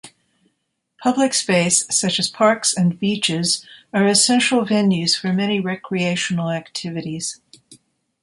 Public space such as parks and beaches are essential venues for many recreational activities.